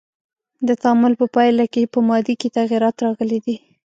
د تعامل په پایله کې په مادې کې تغیرات راغلی دی.